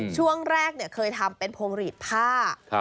ช่วงแรกเคยทำเป็นพวงหลีดผ้า